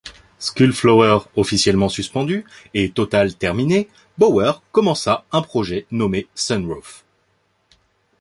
Skullflower officiellement suspendu et Total terminé, Bower commença un projet nommé Sunroof!